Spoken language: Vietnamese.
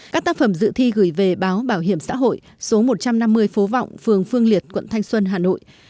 các tác phẩm dự thi gửi về báo bảo hiểm xã hội số một trăm năm mươi phố vọng phường phương liệt quận thanh xuân hà nội